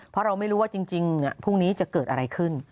เพราะเราไม่รู้ว่าจริงพรุ่งนี้จะเกิดอะไรขึ้น